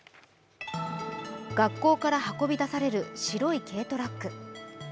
学校から運び出される白い軽トラック。